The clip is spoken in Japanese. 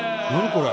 これ。